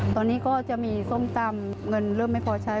ตอนนี้ก็จะมีส้มตำเงินเริ่มไม่พอใช้